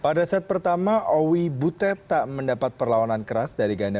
pada saat pertama owi butet tak mendapat perlawanan keras